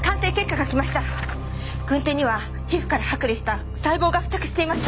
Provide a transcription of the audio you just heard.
軍手には皮膚から剥離した細胞が付着していました！